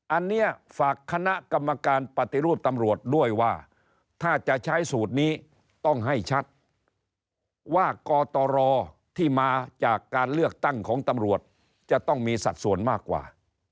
อันนี้ฝากคณะกรรมการปฏิรูปตำรวจด้วยว่าถ้าจะใช้สูตรนี้ต้องให้ชัดว่ากตรที่มาจากการเลือกตั้งของตำรวจจะต้องมีสัดส่วนมากกว่า